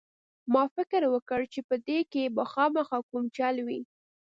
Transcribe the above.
ما فکر وکړ چې په دې کښې به خامخا کوم چل وي.